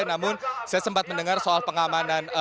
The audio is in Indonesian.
namun saya sempat mendengar soal pengamanan